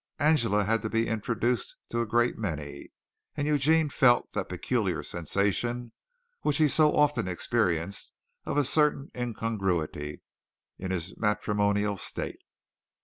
Angela had to be introduced to a great many, and Eugene felt that peculiar sensation which he so often experienced of a certain incongruity in his matrimonial state.